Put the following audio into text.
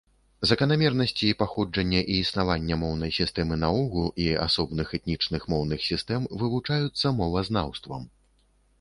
Заканамернасці паходжання і існавання моўнай сістэмы наогул і асобных этнічных моўных сістэм вывучаюцца мовазнаўствам.